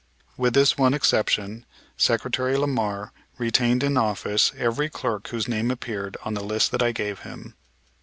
With this one exception, Secretary Lamar retained in office every clerk whose name appeared on the list that I gave him.